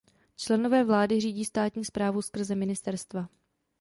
Členové vlády řídí státní správu skrze ministerstva.